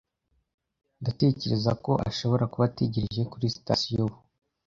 Ndatekereza ko ashobora kuba ategereje kuri sitasiyo ubu.